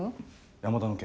山田の件。